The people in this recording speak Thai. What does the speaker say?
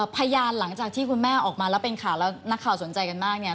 พยานหลังจากที่คุณแม่ออกมาแล้วเป็นข่าวแล้วนักข่าวสนใจกันมากเนี่ย